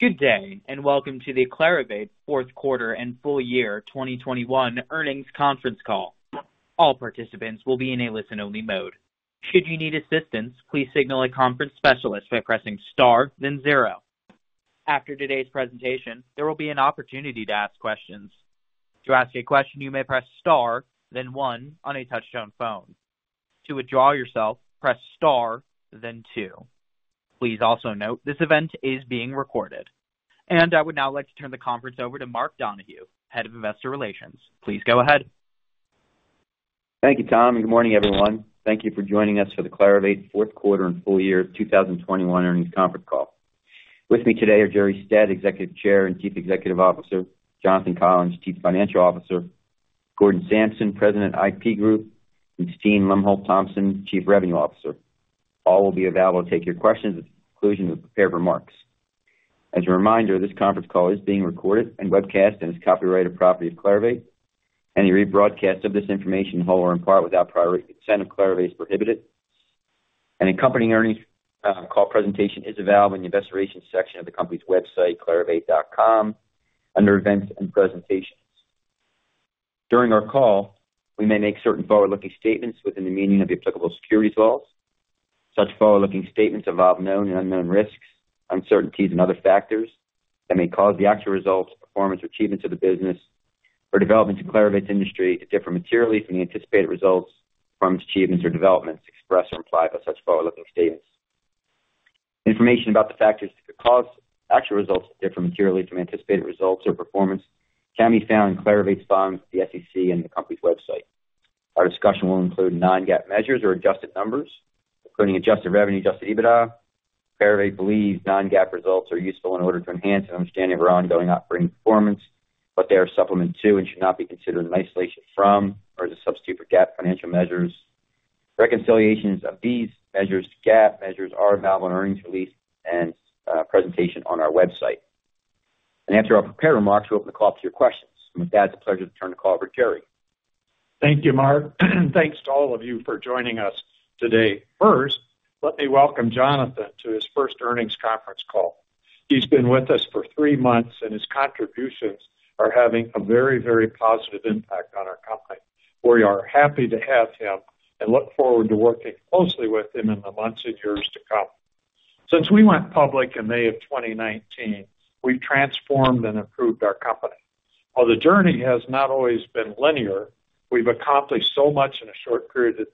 Good day, and welcome to the Clarivate fourth quarter and full year 2021 earnings conference call. All participants will be in a listen-only mode. Should you need assistance, please signal a conference specialist by pressing star then zero. After today's presentation, there will be an opportunity to ask questions. To ask a question, you may press star then one on a touchtone phone. To withdraw yourself, press star then two. Please also note this event is being recorded. I would now like to turn the conference over to Mark Donohue, Head of Investor Relations. Please go ahead. Thank you, Tom, and good morning, everyone. Thank you for joining us for the Clarivate fourth quarter and full year 2021 earnings conference call. With me today are Jerre Stead, Executive Chair and Chief Executive Officer, Jonathan Collins, Chief Financial Officer, Gordon Samson, President IP Group, and Steen Lomholt-Thomsen, Chief Revenue Officer. All will be available to take your questions at the conclusion of the prepared remarks. As a reminder, this conference call is being recorded and webcast and is copyrighted property of Clarivate. Any rebroadcast of this information in whole or in part without prior consent of Clarivate is prohibited. An accompanying earnings call presentation is available in the Investors section of the company's website, clarivate.com, under Events and Presentations. During our call, we may make certain forward-looking statements within the meaning of the applicable securities laws. Such forward-looking statements involve known and unknown risks, uncertainties, and other factors that may cause the actual results, performance or achievements of the business or developments in Clarivate's industry to differ materially from the anticipated results, performance, achievements or developments expressed or implied by such forward-looking statements. Information about the factors that could cause actual results to differ materially from anticipated results or performance can be found in Clarivate's filings with the SEC and the company's website. Our discussion will include non-GAAP measures or adjusted numbers, including adjusted revenue, adjusted EBITDA. Clarivate believes non-GAAP results are useful in order to enhance an understanding of our ongoing operating performance, but they are supplemental to and should not be considered in isolation from or as a substitute for GAAP financial measures. Reconciliations of these measures to GAAP measures are available in earnings release and presentation on our website. After our prepared remarks, we'll open the call up to your questions. With that, it's a pleasure to turn the call over to Jerre. Thank you, Mark. Thanks to all of you for joining us today. First, let me welcome Jonathan to his first earnings conference call. He's been with us for three months, and his contributions are having a very, very positive impact on our company. We are happy to have him and look forward to working closely with him in the months and years to come. Since we went public in May of 2019, we've transformed and improved our company. While the journey has not always been linear, we've accomplished so much in a short period of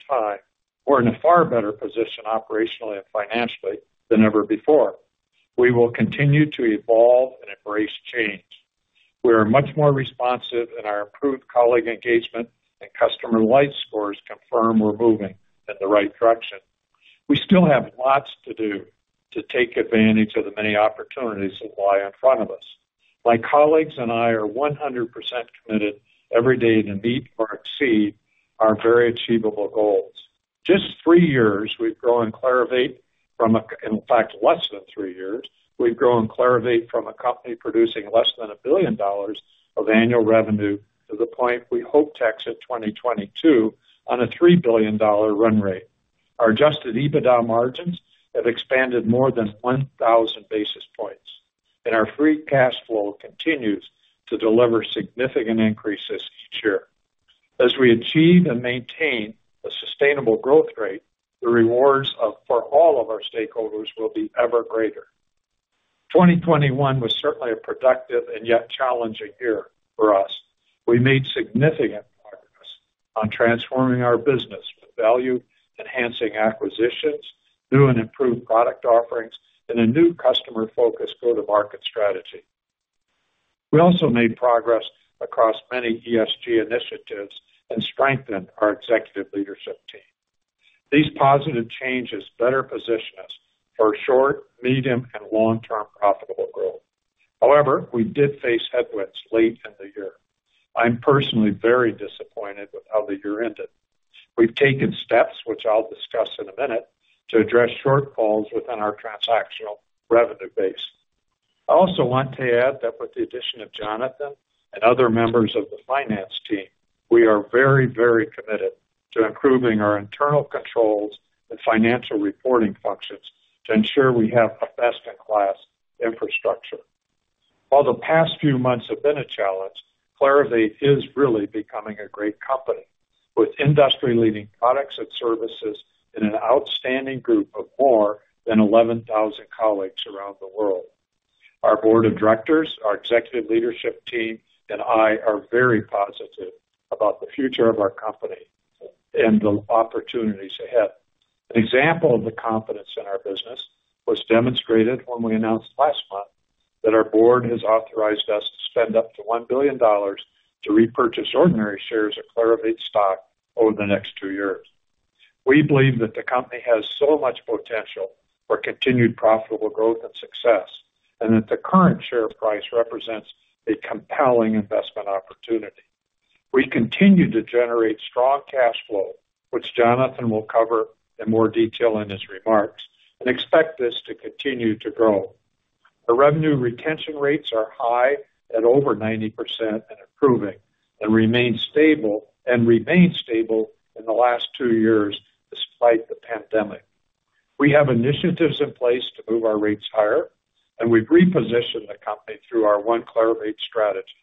time. We're in a far better position operationally and financially than ever before. We will continue to evolve and embrace change. We are much more responsive, and our improved colleague engagement and customer life scores confirm we're moving in the right direction. We still have lots to do to take advantage of the many opportunities that lie in front of us. My colleagues and I are 100% committed every day to meet or exceed our very achievable goals. In fact, less than three years, we've grown Clarivate from a company producing less than $1 billion of annual revenue to the point we hope to exit 2022 on a $3 billion run rate. Our adjusted EBITDA margins have expanded more than 1,000 basis points, and our free cash flow continues to deliver significant increases each year. As we achieve and maintain a sustainable growth rate, the rewards for all of our stakeholders will be ever greater. 2021 was certainly a productive and yet challenging year for us. We made significant progress on transforming our business with value, enhancing acquisitions, new and improved product offerings, and a new customer focus go-to-market strategy. We also made progress across many ESG initiatives and strengthened our executive leadership team. These positive changes better position us for short, medium, and long-term profitable growth. However, we did face headwinds late in the year. I'm personally very disappointed with how the year ended. We've taken steps, which I'll discuss in a minute, to address shortfalls within our transactional revenue base. I also want to add that with the addition of Jonathan and other members of the finance team, we are very, very committed to improving our internal controls and financial reporting functions to ensure we have a best-in-class infrastructure. While the past few months have been a challenge, Clarivate is really becoming a great company with industry-leading products and services and an outstanding group of more than 11,000 colleagues around the world. Our board of directors, our executive leadership team, and I are very positive about the future of our company and the opportunities ahead. An example of the confidence in our business was demonstrated when we announced last month that our board has authorized us to spend up to $1 billion to repurchase ordinary shares of Clarivate stock over the next two years. We believe that the company has so much potential for continued profitable growth and success, and that the current share price represents a compelling investment opportunity. We continue to generate strong cash flow, which Jonathan will cover in more detail in his remarks, and expect this to continue to grow. Our revenue retention rates are high at over 90% and improving, and remain stable and remained stable in the last two years despite the pandemic, we have initiatives in place to move our rates higher, and we've repositioned the company through our One Clarivate strategy.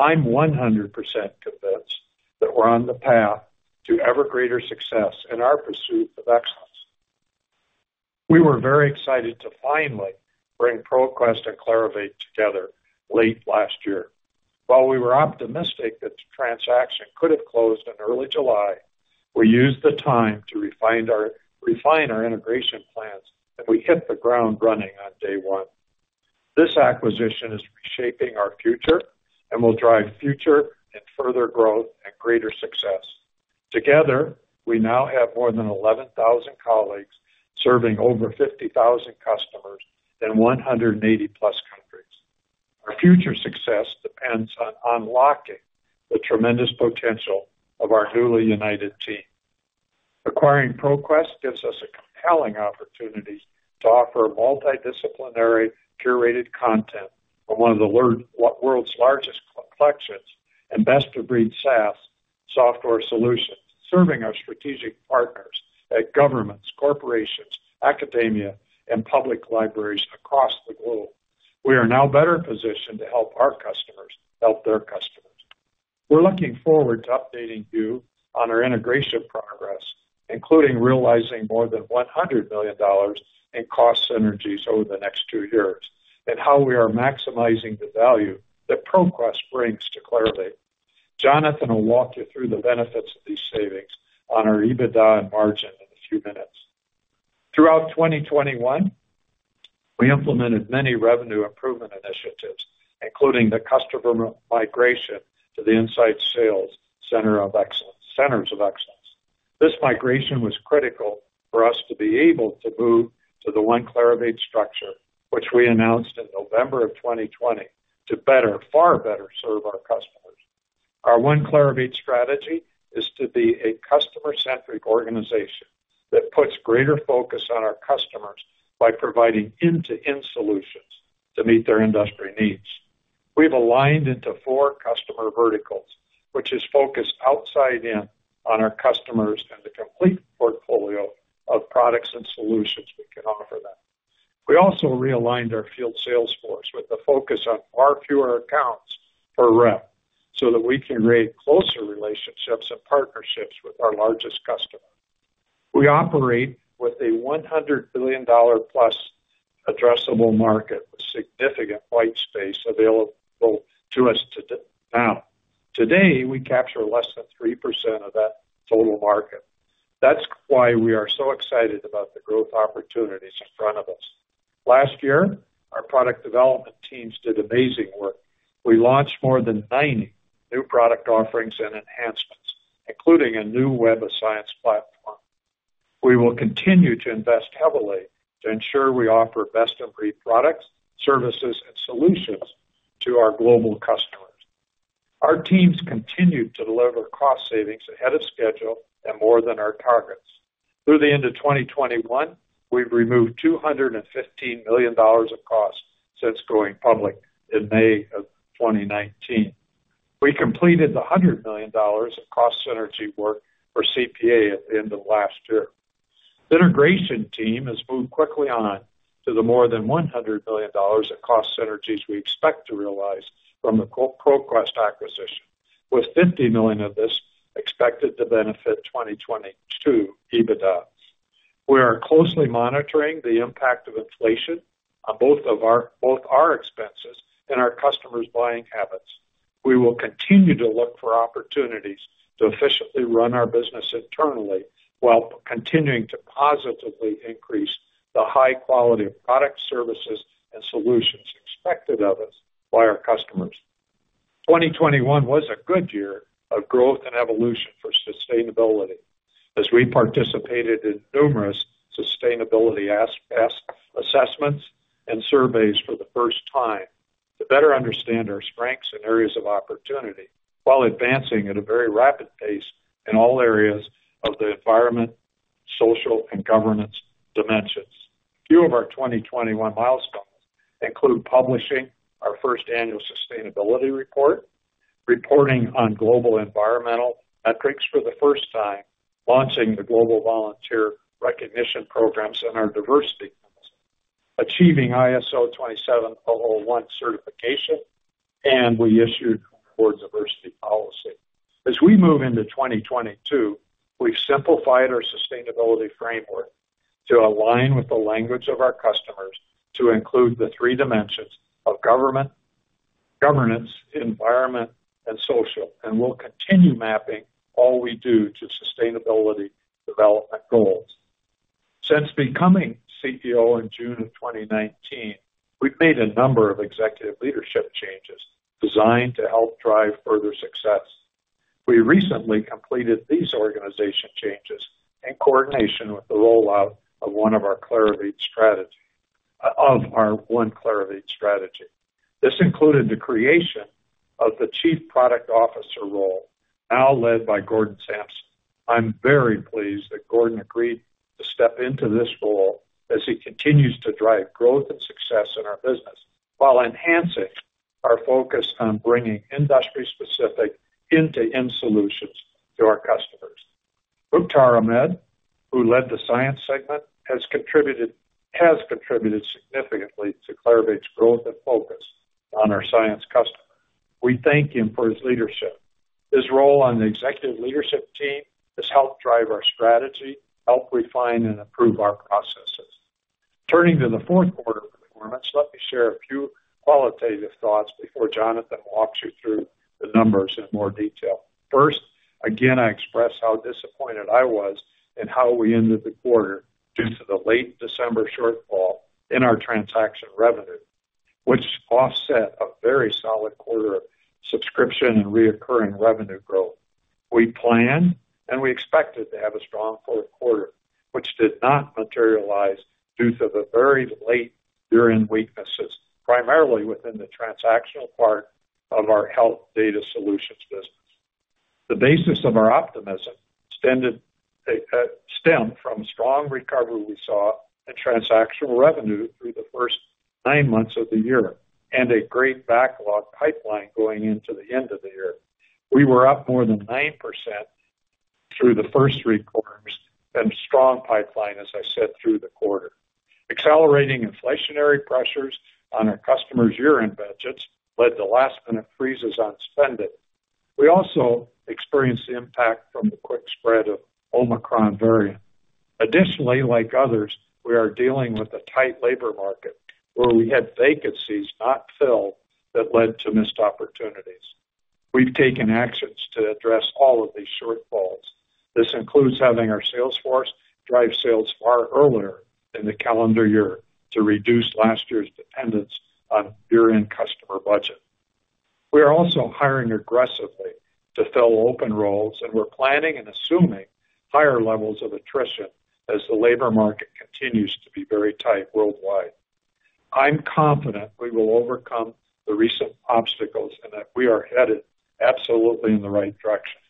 I'm 100% convinced that we're on the path to ever greater success in our pursuit of excellence. We were very excited to finally bring ProQuest and Clarivate together late last year. While we were optimistic that the transaction could have closed in early July, we used the time to refine our integration plans, and we hit the ground running on day one. This acquisition is reshaping our future and will drive future and further growth and greater success. Together, we now have more than 11,000 colleagues serving over 50,000 customers in 180+ countries. Our future success depends on unlocking the tremendous potential of our newly united team. Acquiring ProQuest gives us a compelling opportunity to offer multidisciplinary curated content from one of the world's largest collections and best-of-breed SaaS software solutions, serving our strategic partners at governments, corporations, academia, and public libraries across the globe. We are now better positioned to help our customers help their customers. We're looking forward to updating you on our integration progress, including realizing more than $100 million in cost synergies over the next two years, and how we are maximizing the value that ProQuest brings to Clarivate. Jonathan will walk you through the benefits of these savings on our EBITDA and margin in a few minutes. Throughout 2021, we implemented many revenue improvement initiatives, including the customer migration to the Inside Sales Center of Excellence, Centers of Excellence. This migration was critical for us to be able to move to the One Clarivate structure, which we announced in November 2020 to better, far better serve our customers. Our One Clarivate strategy is to be a customer-centric organization that puts greater focus on our customers by providing end-to-end solutions to meet their industry needs. We've aligned into four customer verticals, which is focused outside in on our customers and the complete portfolio of products and solutions we can offer them. We also realigned our field sales force with the focus on far fewer accounts per rep, so that we can create closer relationships and partnerships with our largest customers. We operate with a $100 billion plus addressable market with significant white space available to us to date. Now, today, we capture less than 3% of that total market. That's why we are so excited about the growth opportunities in front of us. Last year, our product development teams did amazing work. We launched more than 90 new product offerings and enhancements, including a new Web of Science platform. We will continue to invest heavily to ensure we offer best-of-breed products, services, and solutions to our global customers. Our teams continued to deliver cost savings ahead of schedule and more than our targets. Through the end of 2021, we've removed $215 million of costs since going public in May 2019. We completed the $100 million of cost synergy work for CPA at the end of last year. The integration team has moved quickly on to the more than $100 million of cost synergies we expect to realize from the ProQuest acquisition, with $50 million of this expected to benefit 2022 EBITDA. We are closely monitoring the impact of inflation on both our expenses and our customers' buying habits. We will continue to look for opportunities to efficiently run our business internally while continuing to positively increase the high quality of product, services, and solutions expected of us by our customers. 2021 was a good year of growth and evolution for sustainability as we participated in numerous sustainability assessments and surveys for the first time to better understand our strengths and areas of opportunity while advancing at a very rapid pace in all areas of the environment, social, and governance dimensions. A few of our 2021 milestones include publishing our first annual sustainability report, reporting on global environmental metrics for the first time, launching the Global Volunteer Recognition Programs in our diversity, achieving ISO 27001 certification, and we issued a board diversity policy. As we move into 2022, we've simplified our sustainability framework to align with the language of our customers to include the three dimensions of governance, environment, and social, and we'll continue mapping all we do to sustainability development goals. Since becoming CEO in June of 2019, we've made a number of executive leadership changes designed to help drive further success. We recently completed these organization changes in coordination with the rollout of our One Clarivate strategy. This included the creation of the Chief Product Officer role, now led by Gordon Samson. I'm very pleased that Gordon Samson agreed to step into this role as he continues to drive growth and success in our business while enhancing our focus on bringing industry-specific end-to-end solutions to our customers. Mukhtar Ahmed, who led the science segment, has contributed significantly to Clarivate's growth and focus on our science customer. We thank him for his leadership. His role on the executive leadership team has helped drive our strategy, refine and improve our processes. Turning to the fourth quarter performance, let me share a few qualitative thoughts before Jonathan walks you through the numbers in more detail. First, again, I express how disappointed I was in how we ended the quarter due to the late December shortfall in our transaction revenue, which offset a very solid quarter of subscription and recurring revenue growth. We planned and we expected to have a strong fourth quarter, which did not materialize due to the very late year-end weaknesses, primarily within the transactional part of our health data solutions business. The basis of our optimism stemmed from strong recovery we saw in transactional revenue through the first nine months of the year, and a great backlog pipeline going into the end of the year. We were up more than 9% through the first three quarters and strong pipeline, as I said, through the quarter. Accelerating inflationary pressures on our customers' year-end budgets led to last-minute freezes on spending. We also experienced the impact from the quick spread of Omicron variant. Additionally, like others, we are dealing with a tight labor market where we had vacancies not filled that led to missed opportunities. We've taken actions to address all of these shortfalls. This includes having our sales force drive sales far earlier in the calendar year to reduce last year's dependence on year-end customer budget. We are also hiring aggressively to fill open roles, and we're planning and assuming higher levels of attrition as the labor market continues to be very tight worldwide. I'm confident we will overcome the recent obstacles and that we are headed absolutely in the right direction.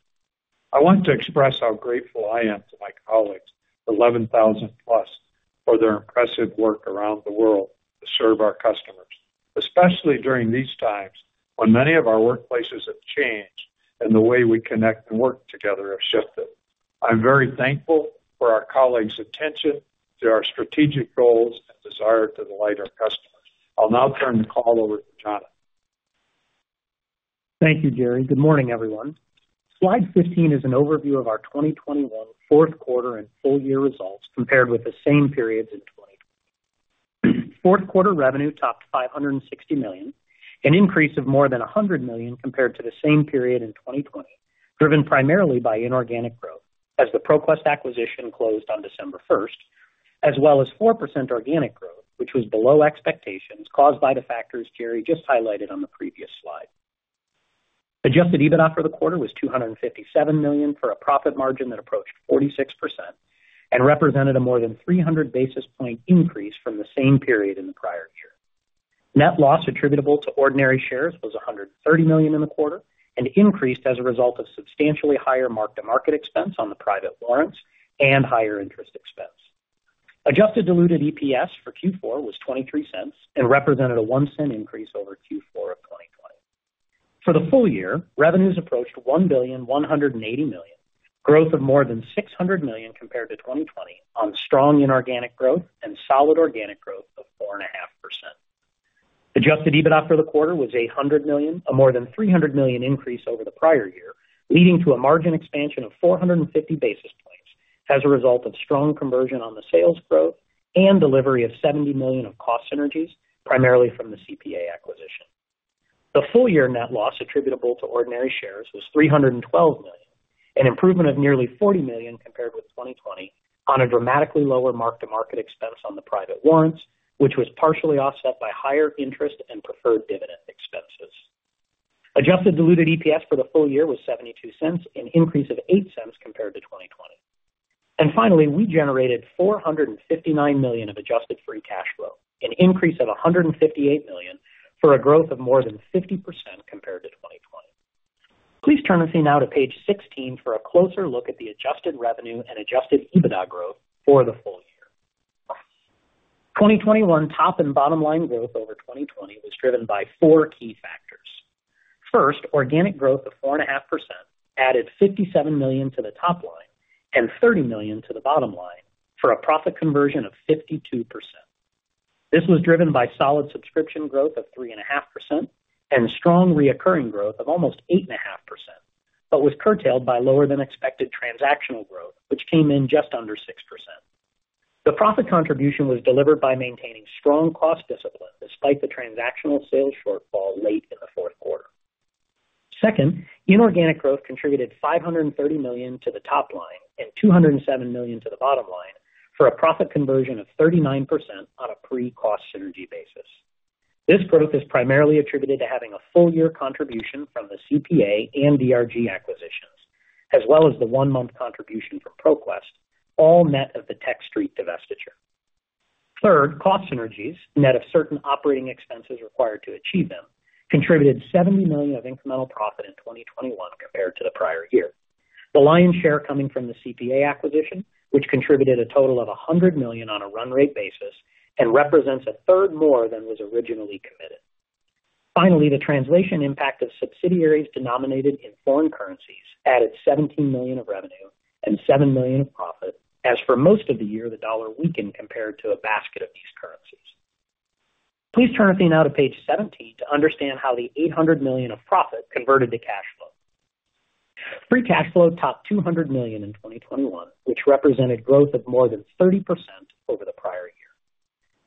I want to express how grateful I am to my colleagues, 11,000+, for their impressive work around the world to serve our customers, especially during these times when many of our workplaces have changed and the way we connect and work together have shifted. I'm very thankful for our colleagues' attention to our strategic goals and desire to delight our customers. I'll now turn the call over to Jonathan. Thank you, Jerre. Good morning, everyone. Slide 15 is an overview of our 2021 fourth quarter and full year results compared with the same periods in 2020. Fourth quarter revenue topped $560 million, an increase of more than $100 million compared to the same period in 2020, driven primarily by inorganic growth as the ProQuest acquisition closed on December 1st, as well as 4% organic growth, which was below expectations caused by the factors Jerre just highlighted on the previous slide. Adjusted EBITDA for the quarter was $257 million for a profit margin that approached 46% and represented a more than 300 basis point increase from the same period in the prior year. Net loss attributable to ordinary shares was $130 million in the quarter and increased as a result of substantially higher mark-to-market expense on the private warrants and higher interest expense. Adjusted diluted EPS for Q4 was $0.23 and represented a $0.01 increase over Q4 of 2020. For the full year, revenues approached $1.18 billion, growth of more than $600 million compared to 2020 on strong inorganic growth and solid organic growth of 4.5%. Adjusted EBITDA for the quarter was $100 million, a more than $300 million increase over the prior year, leading to a margin expansion of 450 basis points as a result of strong conversion on the sales growth and delivery of $70 million of cost synergies, primarily from the CPA acquisition. The full year net loss attributable to ordinary shares was $312 million, an improvement of nearly $40 million compared with 2020 on a dramatically lower mark-to-market expense on the private warrants, which was partially offset by higher interest and preferred dividend expenses. Adjusted diluted EPS for the full year was $0.72, an increase of $0.08 compared to 2020. Finally, we generated $459 million of adjusted free cash flow, an increase of $158 million for a growth of more than 50% compared to 2020. Please turn with me now to page 16 for a closer look at the adjusted revenue and adjusted EBITDA growth for the full year. 2021 top and bottom line growth over 2020 was driven by four key factors. First, organic growth of 4.5% added $57 million to the top line and $30 million to the bottom line, for a profit conversion of 52%. This was driven by solid subscription growth of 3.5% and strong recurring growth of almost 8.5%, but was curtailed by lower than expected transactional growth, which came in just under 6%. The profit contribution was delivered by maintaining strong cost discipline despite the transactional sales shortfall late in the fourth quarter. Second, inorganic growth contributed $530 million to the top line and $207 million to the bottom line, for a profit conversion of 39% on a pre-cost synergy basis. This growth is primarily attributed to having a full year contribution from the CPA and DRG acquisitions, as well as the one-month contribution from ProQuest, all net of the Techstreet divestiture. Third, cost synergies, net of certain operating expenses required to achieve them, contributed $70 million of incremental profit in 2021 compared to the prior year, the lion's share coming from the CPA acquisition, which contributed a total of $100 million on a run rate basis and represents a third more than was originally committed. Finally, the translation impact of subsidiaries denominated in foreign currencies added $17 million of revenue and $7 million of profit, as for most of the year, the dollar weakened compared to a basket of these currencies. Please turn with me now to page 17 to understand how the $800 million of profit converted to cash flow. Free cash flow topped $200 million in 2021, which represented growth of more than 30% over the prior year.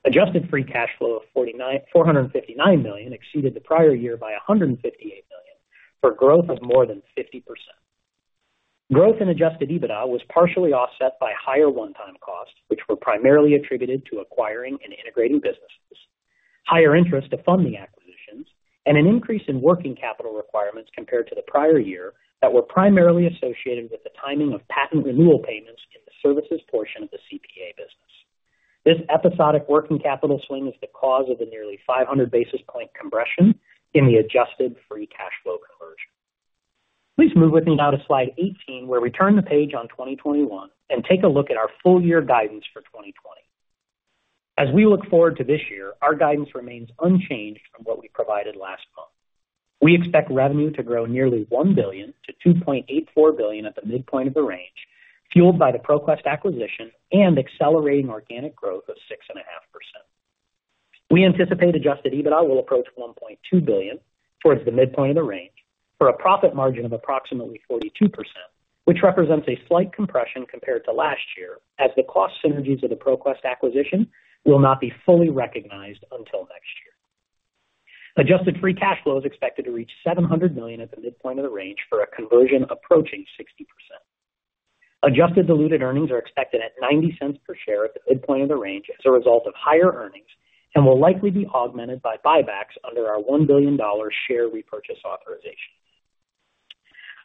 Adjusted free cash flow of $459 million exceeded the prior year by $158 million for growth of more than 50%. Growth in adjusted EBITDA was partially offset by higher one-time costs, which were primarily attributed to acquiring and integrating businesses, higher interest to funding acquisitions, and an increase in working capital requirements compared to the prior year that were primarily associated with the timing of patent renewal payments in the services portion of the CPA business. This episodic working capital swing is the cause of the nearly 500 basis point compression in the adjusted free cash flow conversion. Please move with me now to slide 18, where we turn the page on 2021 and take a look at our full year guidance for 2022. As we look forward to this year, our guidance remains unchanged from what we provided last month. We expect revenue to grow nearly $1 billion to $2.84 billion at the midpoint of the range, fueled by the ProQuest acquisition and accelerating organic growth of 6.5%. We anticipate adjusted EBITDA will approach $1.2 billion towards the midpoint of the range for a profit margin of approximately 42%, which represents a slight compression compared to last year as the cost synergies of the ProQuest acquisition will not be fully recognized until next year. Adjusted free cash flow is expected to reach $700 million at the midpoint of the range for a conversion approaching 60%. Adjusted diluted earnings are expected at $0.90 per share at the midpoint of the range as a result of higher earnings and will likely be augmented by buybacks under our $1 billion share repurchase authorization.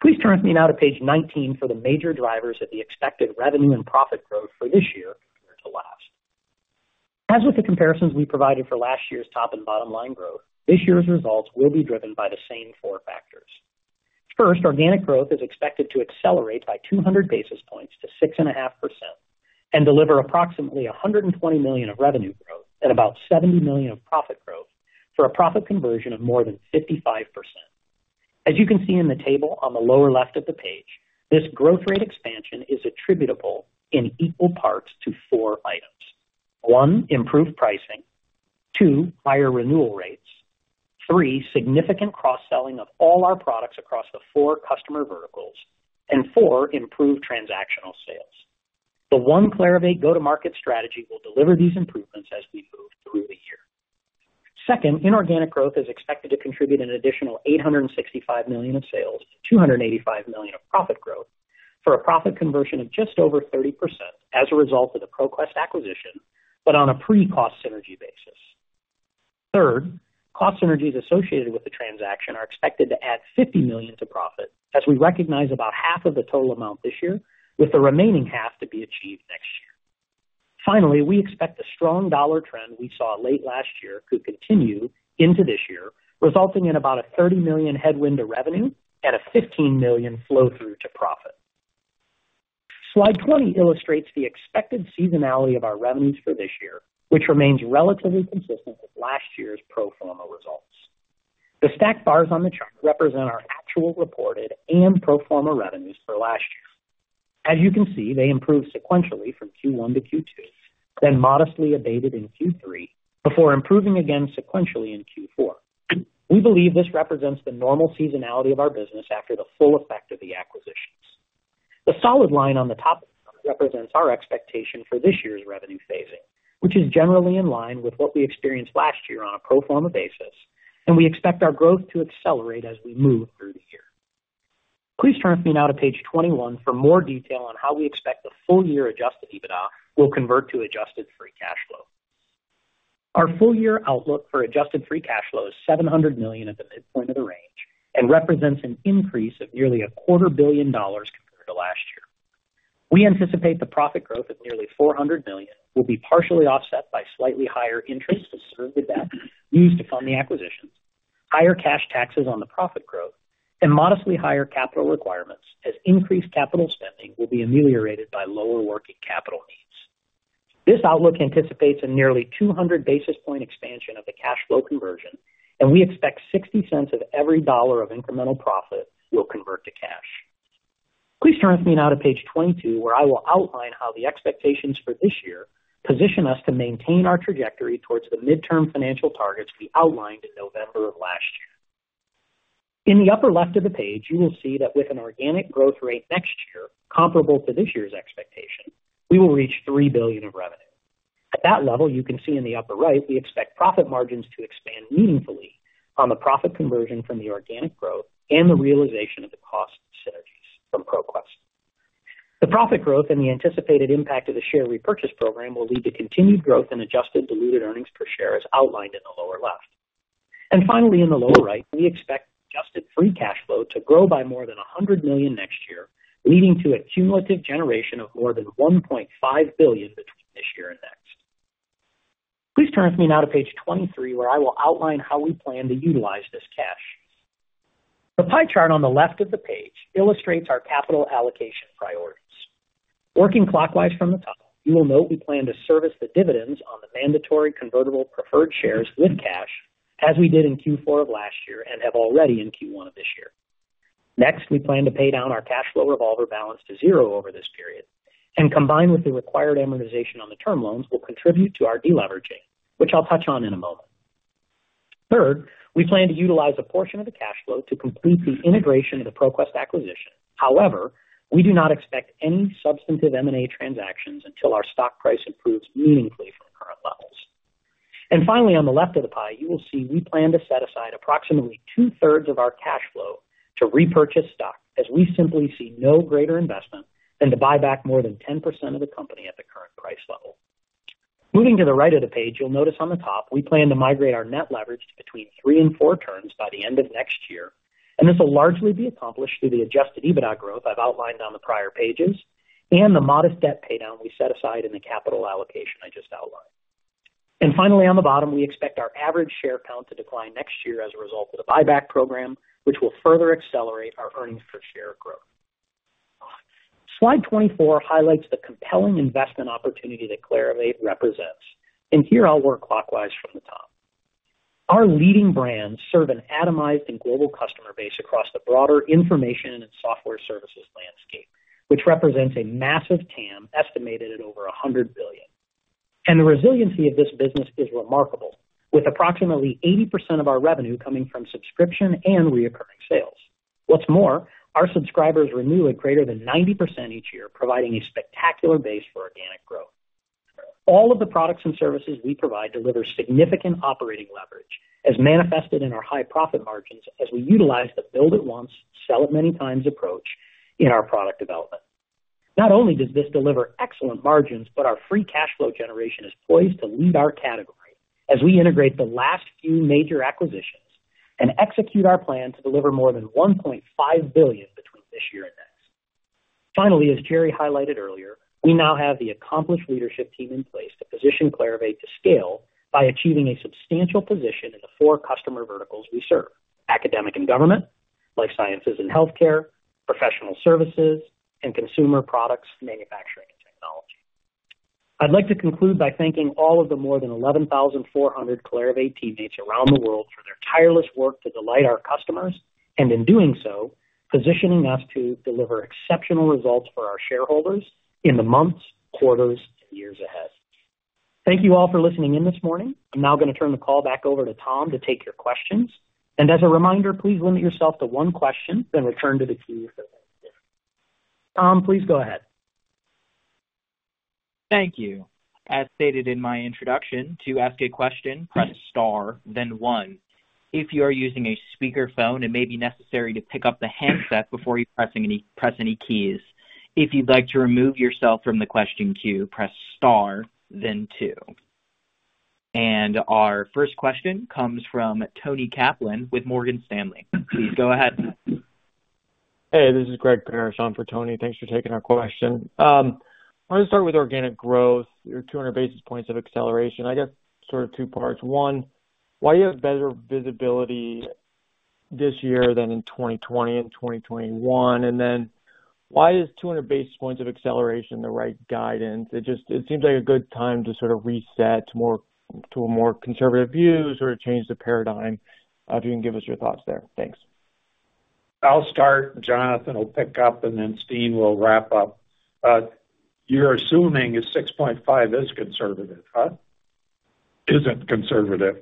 Please turn with me now to page 19 for the major drivers of the expected revenue and profit growth for this year compared to last. As with the comparisons we provided for last year's top and bottom line growth, this year's results will be driven by the same four factors. First, organic growth is expected to accelerate by 200 basis points to 6.5% and deliver approximately $120 million of revenue growth at about $70 million of profit growth for a profit conversion of more than 55%. As you can see in the table on the lower left of the page, this growth rate expansion is attributable in equal parts to four items. One, improved pricing. Two, higher renewal rates. Three, significant cross-selling of all our products across the four customer verticals. Four, improved transactional sales. The One Clarivate go-to-market strategy will deliver these improvements as we move through the year. Second, inorganic growth is expected to contribute an additional $865 million of sales, $285 million of profit growth, for a profit conversion of just over 30% as a result of the ProQuest acquisition, but on a pre-cost synergy basis. Third, cost synergies associated with the transaction are expected to add $50 million to profit as we recognize about half of the total amount this year, with the remaining half to be achieved next year. Finally, we expect the strong dollar trend we saw late last year could continue into this year, resulting in about a $30 million headwind to revenue and a $15 million flow through to profit. Slide 20 illustrates the expected seasonality of our revenues for this year, which remains relatively consistent with last year's pro forma results. The stacked bars on the chart represent our actual reported and pro forma revenues for last year. As you can see, they improved sequentially from Q1 to Q2, then modestly abated in Q3, before improving again sequentially in Q4. We believe this represents the normal seasonality of our business after the full effect of the acquisitions. The solid line on the top represents our expectation for this year's revenue phasing, which is generally in line with what we experienced last year on a pro forma basis, and we expect our growth to accelerate as we move through the year. Please turn with me now to page 21 for more detail on how we expect the full year adjusted EBITDA will convert to adjusted free cash flow. Our full year outlook for adjusted free cash flow is $700 million at the midpoint of the range and represents an increase of nearly a quarter billion dollars compared to last year. We anticipate the profit growth of nearly $400 million will be partially offset by slightly higher interest to service the debt used to fund the acquisitions, higher cash taxes on the profit growth, and modestly higher capital requirements as increased capital spending will be ameliorated by lower working capital needs. This outlook anticipates a nearly 200 basis point expansion of the cash flow conversion, and we expect $0.60 of every dollar of incremental profit will convert to cash. Please turn with me now to page 22, where I will outline how the expectations for this year position us to maintain our trajectory towards the midterm financial targets we outlined in November of last year. In the upper left of the page, you will see that with an organic growth rate next year comparable to this year's expectation, we will reach $3 billion of revenue. At that level, you can see in the upper right, we expect profit margins to expand meaningfully on the profit conversion from the organic growth and the realization of the cost synergies from ProQuest. The profit growth and the anticipated impact of the share repurchase program will lead to continued growth in adjusted diluted earnings per share, as outlined in the lower left. Finally, in the lower right, we expect adjusted free cash flow to grow by more than $100 million next year, leading to a cumulative generation of more than $1.5 billion between this year and next. Please turn with me now to page 23, where I will outline how we plan to utilize this cash. The pie chart on the left of the page illustrates our capital allocation priorities. Working clockwise from the top, you will note we plan to service the dividends on the mandatory convertible preferred shares with cash, as we did in Q4 of last year and have already in Q1 of this year. Next, we plan to pay down our cash flow revolver balance to zero over this period, and combined with the required amortization on the term loans, will contribute to our de-leveraging, which I'll touch on in a moment. Third, we plan to utilize a portion of the cash flow to complete the integration of the ProQuest acquisition. However, we do not expect any substantive M&A transactions until our stock price improves meaningfully from current levels. Finally, on the left of the pie, you will see we plan to set aside approximately 2/3 of our cash flow to repurchase stock, as we simply see no greater investment than to buy back more than 10% of the company at the current price level. Moving to the right of the page, you'll notice on the top, we plan to migrate our net leverage to between three and four turns by the end of next year, and this will largely be accomplished through the adjusted EBITDA growth I've outlined on the prior pages and the modest debt pay down we set aside in the capital allocation I just outlined. Finally, on the bottom, we expect our average share count to decline next year as a result of the buyback program, which will further accelerate our earnings per share growth. Slide 24 highlights the compelling investment opportunity that Clarivate represents. Here I'll work clockwise from the top. Our leading brands serve an atomized and global customer base across the broader information and software services landscape, which represents a massive TAM estimated at over $100 billion. The resiliency of this business is remarkable, with approximately 80% of our revenue coming from subscription and recurring sales. What's more, our subscribers renew at greater than 90% each year, providing a spectacular base for organic growth. All of the products and services we provide deliver significant operating leverage, as manifested in our high profit margins as we utilize the build it once, sell it many times approach in our product development. Not only does this deliver excellent margins, but our free cash flow generation is poised to lead our category as we integrate the last few major acquisitions and execute our plan to deliver more than $1.5 billion between this year and next. Finally, as Jerre highlighted earlier, we now have the accomplished leadership team in place to position Clarivate to scale by achieving a substantial position in the four customer verticals we serve. Academia & Government, Life Sciences & Healthcare, professional services, and consumer products, manufacturing, and technology. I'd like to conclude by thanking all of the more than 11,400 Clarivate teammates around the world for their tireless work to delight our customers, and in doing so, positioning us to deliver exceptional results for our shareholders in the months, quarters, and years ahead. Thank you all for listening in this morning. I'm now gonna turn the call back over to Tom to take your questions. As a reminder, please limit yourself to one question, then return to the queue if there's any. Tom, please go ahead. Thank you. As stated in my introduction, to ask a question, press star, then one. If you are using a speaker phone, it may be necessary to pick up the handset before pressing any keys. If you'd like to remove yourself from the question queue, press star, then two. Our first question comes from Toni Kaplan with Morgan Stanley. Please go ahead. Hey, this is Greg Parrish on for Toni. Thanks for taking our question. I wanna start with organic growth, your 200 basis points of acceleration. I guess sort of two parts. One, why you have better visibility this year than in 2020 and 2021? Why is 200 basis points of acceleration the right guidance? It just seems like a good time to sort of reset to a more conservative view, sort of change the paradigm. If you can give us your thoughts there. Thanks. I'll start, Jonathan will pick up, and then Steen will wrap up. You're assuming 6.5 is conservative, huh? It isn't conservative.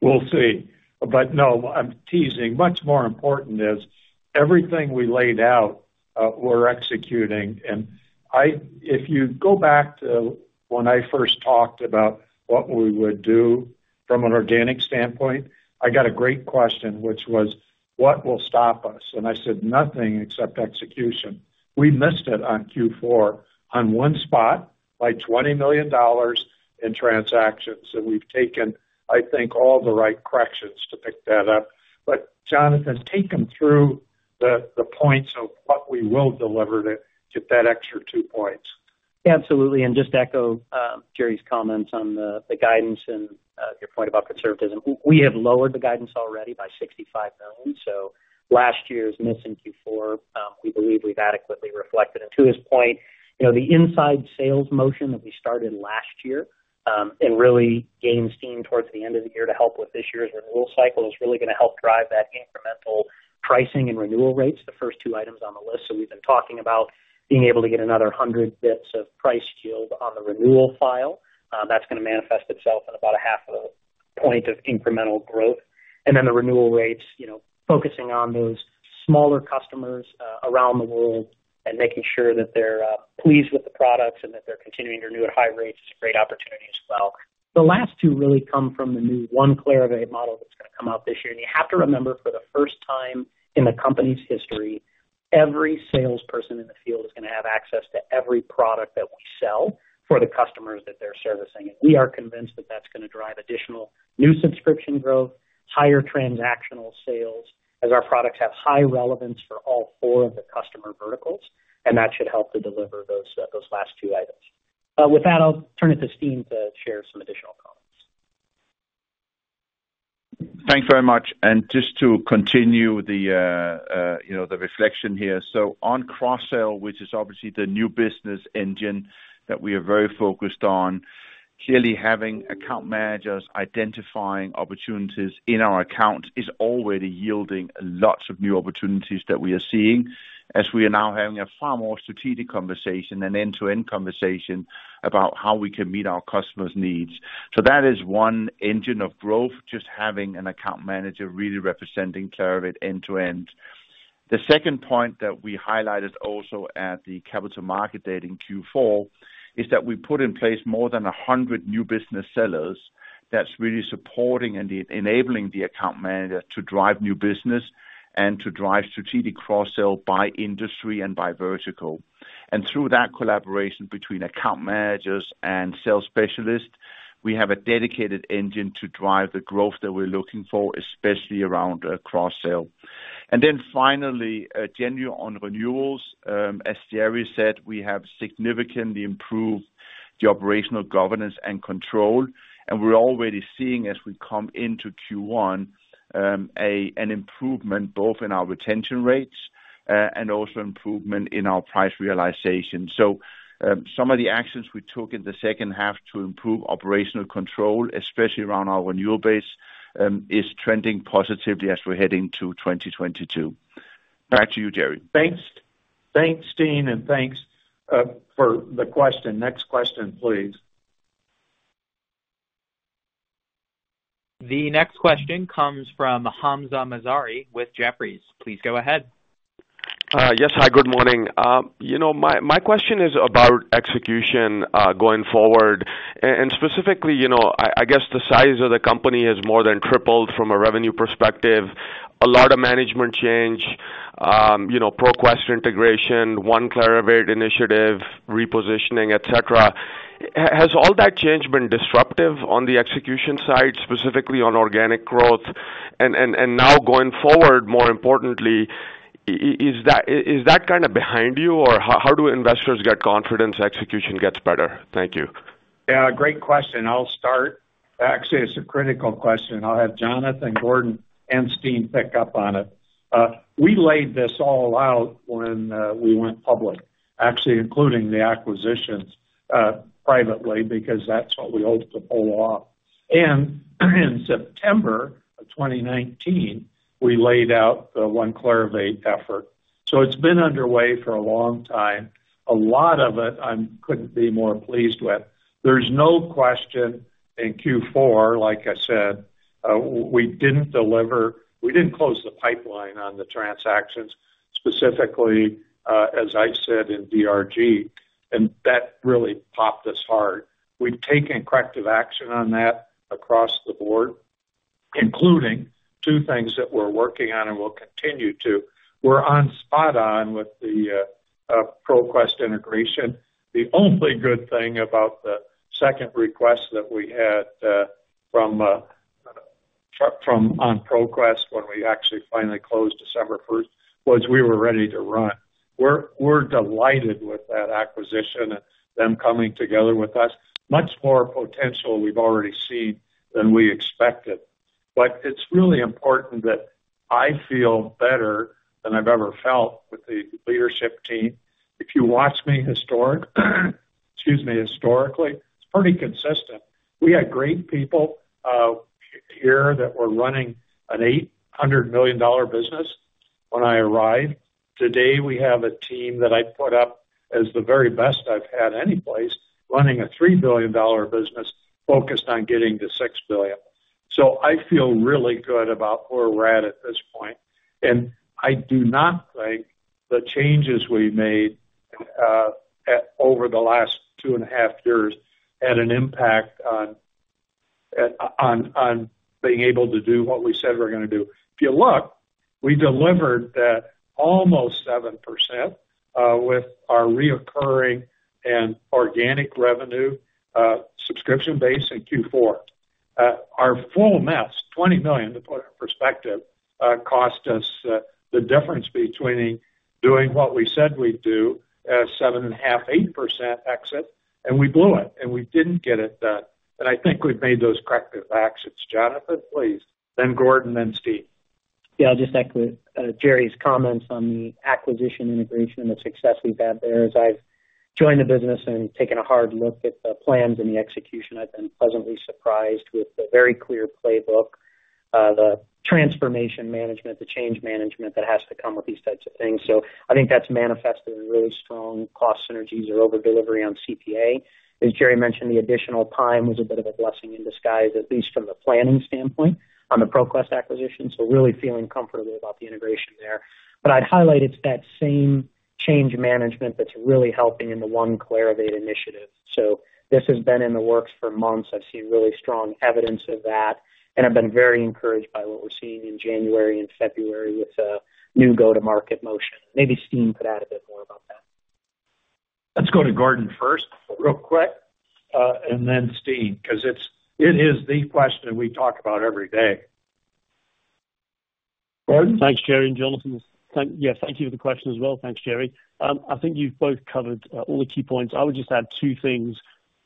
We'll see. No, I'm teasing. Much more important is everything we laid out, we're executing. If you go back to when I first talked about what we would do from an organic standpoint, I got a great question, which was, "What will stop us?" I said, "Nothing except execution." We missed it on Q4 on one spot by $20 million in transactions, and we've taken, I think, all the right corrections to pick that up. Jonathan, take them through the points of what we will deliver to that extra 2 points. Absolutely. Just to echo, Jerre's comments on the guidance and your point about conservatism. We have lowered the guidance already by $65 million. Last year's miss in Q4, we believe we've adequately reflected. To his point, you know, the inside sales motion that we started last year and really gained steam towards the end of the year to help with this year's renewal cycle is really gonna help drive that incremental pricing and renewal rates, the first two items on the list. We've been talking about being able to get another 100 basis points of price yield on the renewal file. That's gonna manifest itself in about a half of a point of incremental growth. Then the renewal rates, you know, focusing on those smaller customers around the world and making sure that they're pleased with the products and that they're continuing to renew at high rates is a great opportunity as well. The last two really come from the new One Clarivate model that's gonna come out this year. You have to remember, for the first time in the company's history. Every salesperson in the field is gonna have access to every product that we sell for the customers that they're servicing. We are convinced that that's gonna drive additional new subscription growth, higher transactional sales, as our products have high relevance for all four of the customer verticals, and that should help to deliver those last two items. With that, I'll turn it to Steen to share some additional comments. Thanks very much. Just to continue the reflection here. On cross-sell, which is obviously the new business engine that we are very focused on, clearly having account managers identifying opportunities in our accounts is already yielding lots of new opportunities that we are seeing as we are now having a far more strategic conversation and end-to-end conversation about how we can meet our customers' needs. That is one engine of growth, just having an account manager really representing Clarivate end to end. The second point that we highlighted also at the capital markets day in Q4 is that we put in place more than 100 new business sellers that's really supporting and enabling the account manager to drive new business and to drive strategic cross-sell by industry and by vertical. Through that collaboration between account managers and sales specialists, we have a dedicated engine to drive the growth that we're looking for, especially around cross-sell. Finally, Jenny, on renewals, as Jerre said, we have significantly improved the operational governance and control, and we're already seeing as we come into Q1 an improvement both in our retention rates and also improvement in our price realization. Some of the actions we took in the second half to improve operational control, especially around our renewal base, is trending positively as we're heading to 2022. Back to you, Jerre. Thanks, Steen, and thanks for the question. Next question, please. The next question comes from Hamzah Mazari with Jefferies. Please go ahead. Yes. Hi, good morning. You know, my question is about execution going forward. And specifically, you know, I guess the size of the company has more than tripled from a revenue perspective. A lot of management change, you know, ProQuest integration, One Clarivate initiative, repositioning, et cetera. Has all that change been disruptive on the execution side, specifically on organic growth? Now going forward, more importantly, is that kinda behind you? Or how do investors get confidence execution gets better? Thank you. Yeah, great question. I'll start. Actually, it's a critical question. I'll have Jonathan, Gordon, and Steen pick up on it. We laid this all out when we went public, actually including the acquisitions privately because that's what we hoped to pull off. In September 2019, we laid out the One Clarivate effort. It's been underway for a long time. A lot of it I couldn't be more pleased with. There's no question in Q4, like I said, we didn't close the pipeline on the transactions, specifically, as I said in DRG, and that really popped us hard. We've taken corrective action on that across the board, including two things that we're working on and will continue to. We're spot on with the ProQuest integration. The only good thing about the second request that we had from on ProQuest when we actually finally closed December first was we were ready to run. We're delighted with that acquisition and them coming together with us. Much more potential we've already seen than we expected. It's really important that I feel better than I've ever felt with the leadership team. If you watch me historically, it's pretty consistent. We had great people here that were running an $800 million business when I arrived. Today, we have a team that I put up as the very best I've had any place running a $3 billion business focused on getting to $6 billion. I feel really good about where we're at this point. I do not think the changes we've made over the last 2.5 years had an impact on being able to do what we said we're gonna do. If you look, we delivered that almost 7% with our recurring and organic revenue subscription base in Q4. Our full amount, $20 million, to put it in perspective, cost us the difference between doing what we said we'd do, 7.5%-8% exit, and we blew it, and we didn't get it done. I think we've made those corrective actions. Jonathan, please. Then Gordon, then Steen. Yeah. I'll just echo Jerre's comments on the acquisition integration and the success we've had there. As I've joined the business and taken a hard look at the plans and the execution, I've been pleasantly surprised with the very clear playbook, the transformation management, the change management that has to come with these types of things. I think that's manifested in really strong cost synergies or over-delivery on CPA. As Jerre mentioned, the additional time was a bit of a blessing in disguise, at least from the planning standpoint on the ProQuest acquisition. Really feeling comfortable about the integration there. I'd highlight it's that same change management that's really helping in the One Clarivate initiative. This has been in the works for months. I've seen really strong evidence of that, and I've been very encouraged by what we're seeing in January and February with the new go-to-market motion. Maybe Steen could add a bit more. Let's go to Gordon first real quick, and then Steen, 'cause it is the question we talk about every day. Gordon? Thanks, Jerre and Jonathan. Yeah, thank you for the question as well. Thanks, Jerre. I think you've both covered all the key points. I would just add two things.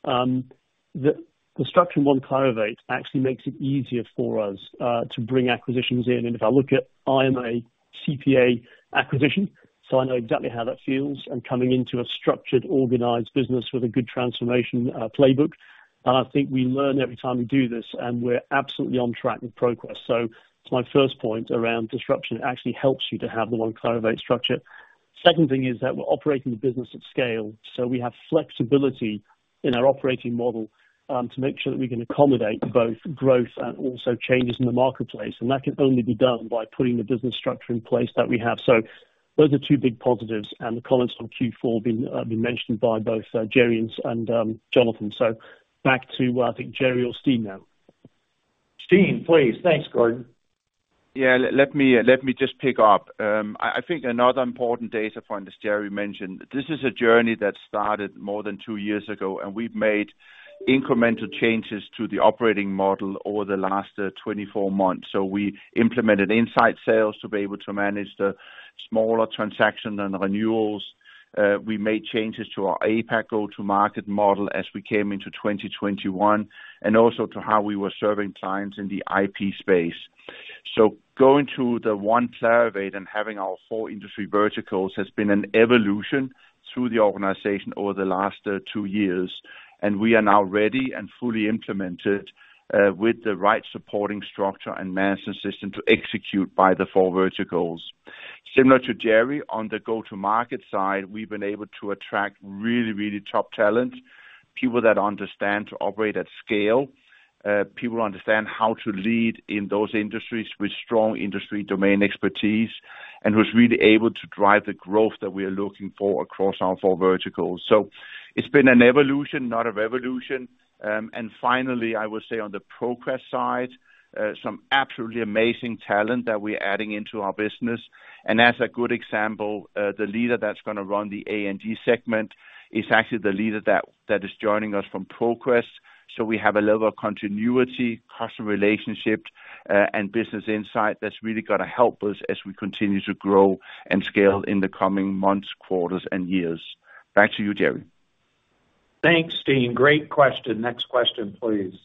The structure in One Clarivate actually makes it easier for us to bring acquisitions in. If I look at IMA, CPA acquisition, so I know exactly how that feels and coming into a structured, organized business with a good transformation playbook. I think we learn every time we do this, and we're absolutely on track with ProQuest. That's my first point around disruption. It actually helps you to have the One Clarivate structure. Second thing is that we're operating the business at scale, so we have flexibility in our operating model to make sure that we can accommodate both growth and also changes in the marketplace. That can only be done by putting the business structure in place that we have. Those are two big positives and the comments from Q4 have been mentioned by both Jerre and Jonathan. Back to, I think, Jerre or Steen now. Steen, please. Thanks, Gordon. Yeah. Let me just pick up. I think another important data point, as Jerre mentioned, this is a journey that started more than two years ago, and we've made incremental changes to the operating model over the last 24 months. We implemented inside sales to be able to manage the smaller transaction and renewals. We made changes to our APAC go-to-market model as we came into 2021, and also to how we were serving clients in the IP space. Going to the One Clarivate and having our four industry verticals has been an evolution through the organization over the last two years. We are now ready and fully implemented with the right supporting structure and management system to execute by the four verticals. Similar to Jerre, on the go-to-market side, we've been able to attract really, really top talent, people that understand to operate at scale, people who understand how to lead in those industries with strong industry domain expertise, and who's really able to drive the growth that we are looking for across our four verticals. It's been an evolution, not a revolution. Finally, I will say on the ProQuest side, some absolutely amazing talent that we're adding into our business. As a good example, the leader that's gonna run the A&G segment is actually the leader that is joining us from ProQuest. We have a level of continuity, customer relationships, and business insight that's really gonna help us as we continue to grow and scale in the coming months, quarters, and years. Back to you, Jerre. Thanks, Steen. Great question. Next question, please.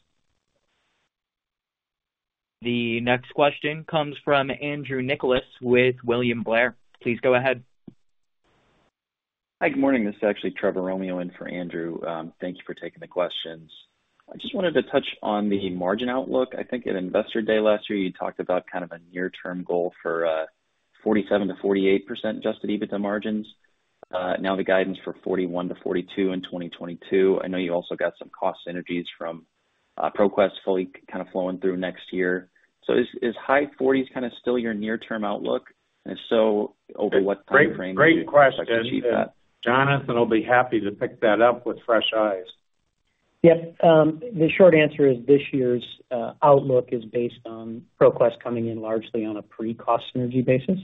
The next question comes from Andrew Nicholas with William Blair. Please go ahead. Hi. Good morning. This is actually Trevor Romeo in for Andrew. Thank you for taking the questions. I just wanted to touch on the margin outlook. I think at Investor Day last year, you talked about kind of a near-term goal for 47%-48% adjusted EBITDA margins. Now the guidance for 41%-42% in 2022. I know you also got some cost synergies from ProQuest fully kind of flowing through next year. Is high 40s still your near-term outlook? And if so, over what timeframe would you expect to see that? Great question. Jonathan will be happy to pick that up with fresh eyes. Yep. The short answer is this year's outlook is based on ProQuest coming in largely on a pre-cost synergy basis.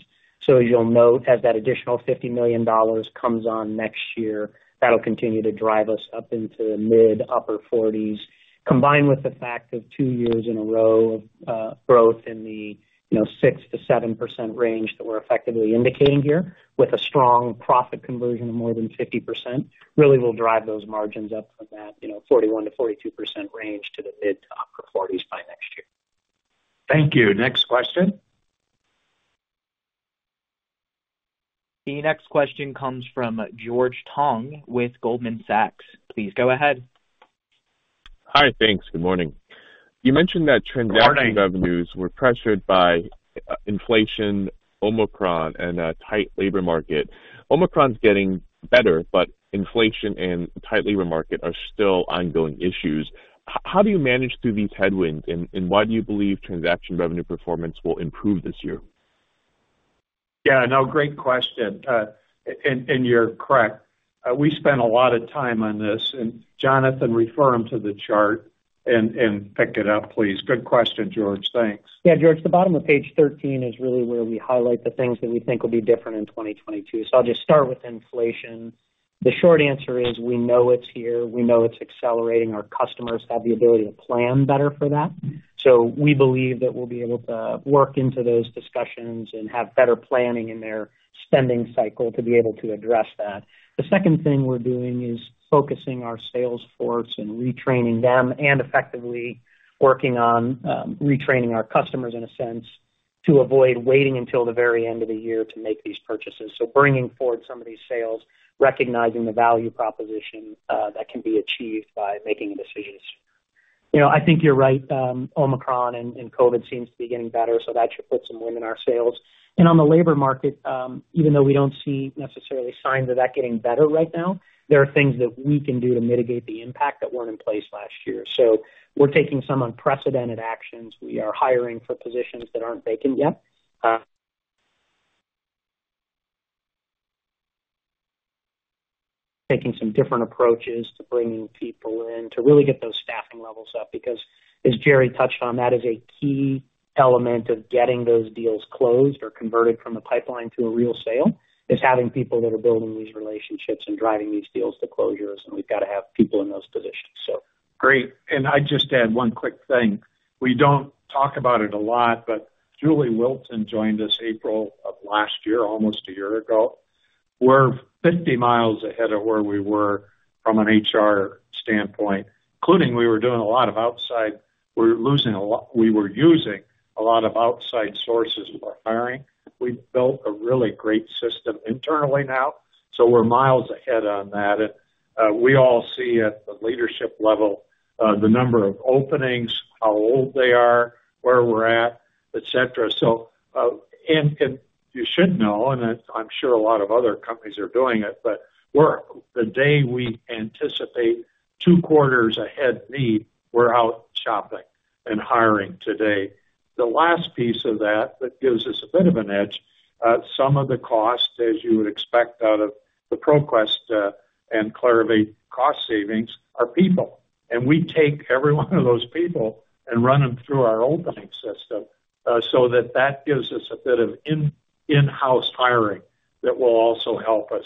As you'll note, as that additional $50 million comes on next year, that'll continue to drive us up into the mid to upper 40%. Combined with the fact of two years in a row of growth in the, you know, 6%-7% range that we're effectively indicating here, with a strong profit conversion of more than 50%, really will drive those margins up from that, you know, 41%-42% range to the mid to upper 40% by next year. Thank you. Next question. The next question comes from George Tong with Goldman Sachs. Please go ahead. Hi. Thanks. Good morning. You mentioned that transaction revenues were pressured by inflation, Omicron, and a tight labor market. Omicron's getting better, but inflation and tight labor market are still ongoing issues. How do you manage through these headwinds, and why do you believe transaction revenue performance will improve this year? Yeah, no, great question. You're correct. We spent a lot of time on this. Jonathan, refer him to the chart and pick it up, please. Good question, George. Thanks. Yeah. George, the bottom of page 13 is really where we highlight the things that we think will be different in 2022. I'll just start with inflation. The short answer is we know it's here. We know it's accelerating. Our customers have the ability to plan better for that. We believe that we'll be able to work into those discussions and have better planning in their spending cycle to be able to address that. The second thing we're doing is focusing our sales force and retraining them and effectively working on retraining our customers, in a sense, to avoid waiting until the very end of the year to make these purchases. Bringing forward some of these sales, recognizing the value proposition, that can be achieved by making decisions. You know, I think you're right. Omicron and COVID seems to be getting better, so that should put some wind in our sails. On the labor market, even though we don't see necessarily signs of that getting better right now, there are things that we can do to mitigate the impact that weren't in place last year. We're taking some unprecedented actions. We are hiring for positions that aren't vacant yet, taking some different approaches to bringing people in to really get those staffing levels up, because as Jerre touched on, that is a key element of getting those deals closed or converted from a pipeline to a real sale, is having people that are building these relationships and driving these deals to closures, and we've gotta have people in those positions. Great. I just add one quick thing. We don't talk about it a lot, but Julie Wilson joined us April of last year, almost a year ago. We're 50 miles ahead of where we were from an HR standpoint. We were using a lot of outside sources for hiring. We've built a really great system internally now, so we're miles ahead on that. We all see at the leadership level the number of openings, how old they are, where we're at, et cetera. You should know, and I'm sure a lot of other companies are doing it, but the day we anticipate two quarters ahead need, we're out shopping and hiring today. The last piece of that that gives us a bit of an edge, some of the costs, as you would expect out of the ProQuest and Clarivate cost savings are people. We take every one of those people and run them through our onboarding system, so that that gives us a bit of in-house hiring that will also help us.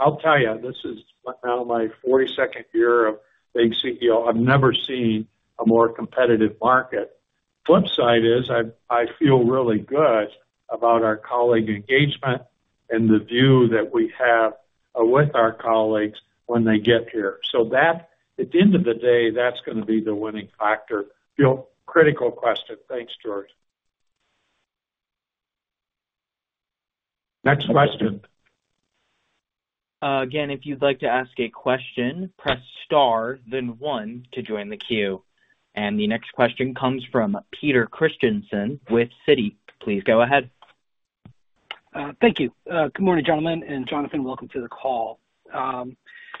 I'll tell you, this is now my forty-second year of being CEO. I've never seen a more competitive market. Flip side is I feel really good about our colleague engagement and the view that we have with our colleagues when they get here. At the end of the day, that's gonna be the winning factor. You know, critical question. Thanks, George. Next question. Again, if you'd like to ask a question, press star then one to join the queue. The next question comes from Peter Christiansen with Citi. Please go ahead. Thank you. Good morning, gentlemen, and Jonathan, welcome to the call.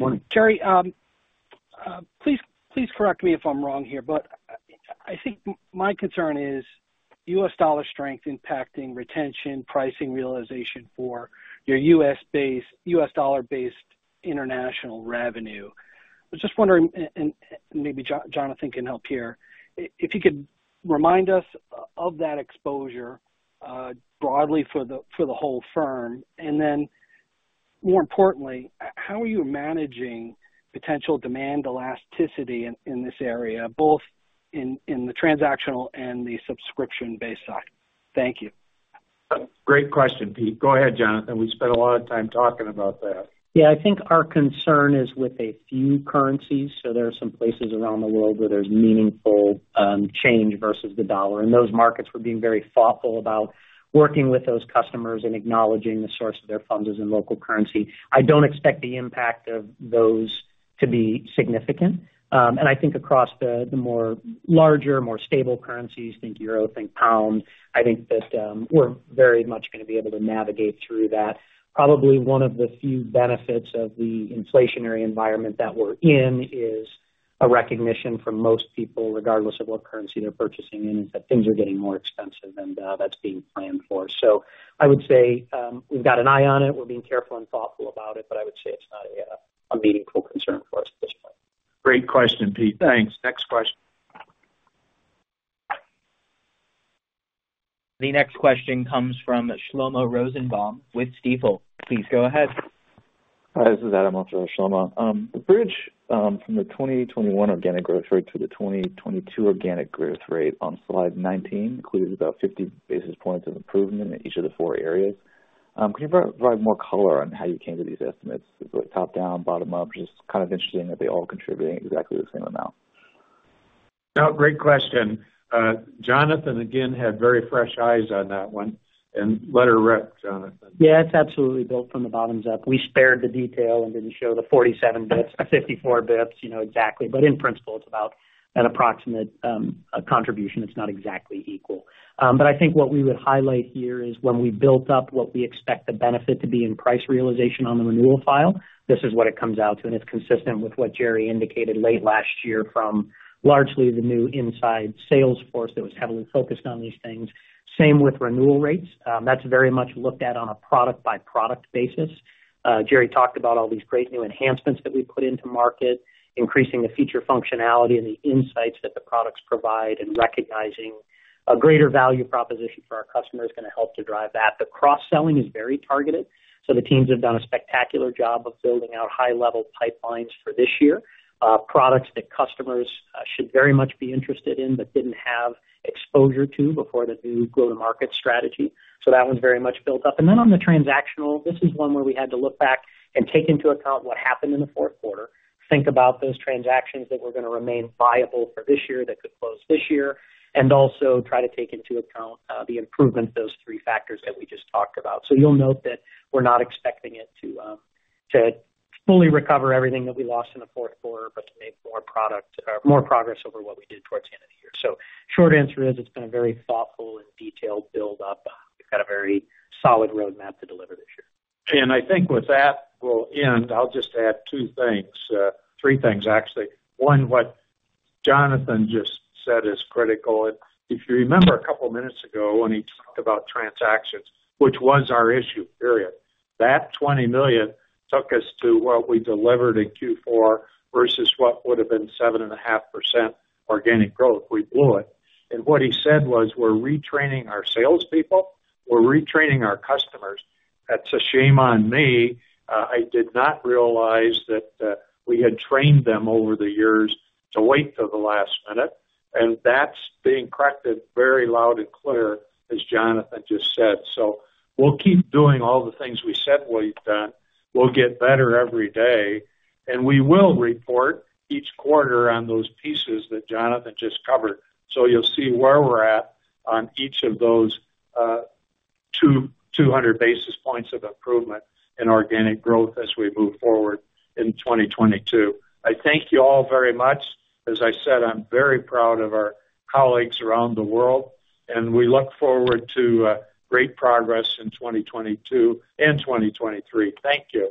Morning. Jerre, please correct me if I'm wrong here, but I think my concern is U.S. dollar strength impacting retention, pricing realization for your U.S.-based, U.S. dollar-based international revenue. I was just wondering, and maybe Jonathan can help here. If you could remind us of that exposure, broadly for the whole firm. Then more importantly, how are you managing potential demand elasticity in this area, both in the transactional and the subscription-based side? Thank you. Great question, Peter. Go ahead, Jonathan. We spent a lot of time talking about that. Yeah. I think our concern is with a few currencies. There are some places around the world where there's meaningful change versus the dollar. In those markets, we're being very thoughtful about working with those customers and acknowledging the source of their funds as in local currency. I don't expect the impact of those to be significant. I think across the more larger, more stable currencies, think euro, think pound, I think that we're very much gonna be able to navigate through that. Probably one of the few benefits of the inflationary environment that we're in is a recognition from most people, regardless of what currency they're purchasing in, is that things are getting more expensive and that's being planned for. I would say we've got an eye on it. We're being careful and thoughtful about it, but I would say it's not a meaningful concern for us at this point. Great question, Peter. Thanks. Next question. The next question comes from Shlomo Rosenbaum with Stifel. Please go ahead. Hi, this is Adam on for Shlomo. The bridge from the 2021 organic growth rate to the 2022 organic growth rate on slide 19 includes about 50 basis points of improvement in each of the four areas. Can you provide more color on how you came to these estimates? Is it top-down, bottom-up? Just kind of interesting that they're all contributing exactly the same amount. No, great question. Jonathan, again, had very fresh eyes on that one and let her rip, Jonathan. Yeah, it's absolutely built from the bottoms up. We spared the detail and didn't show the 47 bits or 54 bits, you know, exactly. In principle, it's about an approximate contribution. It's not exactly equal. I think what we would highlight here is when we built up what we expect the benefit to be in price realization on the renewal file, this is what it comes out to, and it's consistent with what Jerre indicated late last year from largely the new inside sales force that was heavily focused on these things. Same with renewal rates. That's very much looked at on a product-by-product basis. Jerre talked about all these great new enhancements that we put into market, increasing the feature functionality and the insights that the products provide, and recognizing a greater value proposition for our customer is gonna help to drive that. The cross-selling is very targeted, so the teams have done a spectacular job of building out high-level pipelines for this year. Products that customers should very much be interested in but didn't have exposure to before the new go-to-market strategy. That one's very much built up. On the transactional, this is one where we had to look back and take into account what happened in the fourth quarter, think about those transactions that were gonna remain viable for this year, that could close this year, and also try to take into account the improvement, those three factors that we just talked about. You'll note that we're not expecting it to fully recover everything that we lost in the fourth quarter, but to make more progress over what we did towards the end of the year. Short answer is it's been a very thoughtful and detailed build up. We've got a very solid roadmap to deliver this year. I think with that, we'll end. I'll just add two things, three things actually. One, what Jonathan just said is critical. If you remember a couple of minutes ago when he talked about transactions, which was our issue, period. That $20 million took us to what we delivered in Q4 versus what would have been 7.5% organic growth. We blew it. What he said was, we're retraining our salespeople, we're retraining our customers. That's a shame on me. I did not realize that we had trained them over the years to wait till the last minute, and that's being corrected very loud and clear, as Jonathan just said. We'll keep doing all the things we said we've done. We'll get better every day, and we will report each quarter on those pieces that Jonathan just covered. You'll see where we're at on each of those, 200 basis points of improvement in organic growth as we move forward in 2022. I thank you all very much. As I said, I'm very proud of our colleagues around the world, and we look forward to great progress in 2022 and 2023. Thank you.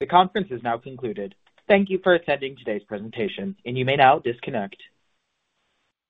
The conference is now concluded. Thank you for attending today's presentation, and you may now disconnect.